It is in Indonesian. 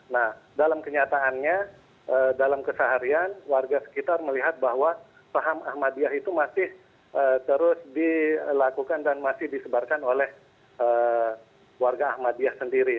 nah dalam kenyataannya dalam keseharian warga sekitar melihat bahwa saham ahmadiyah itu masih terus dilakukan dan masih disebarkan oleh warga ahmadiyah sendiri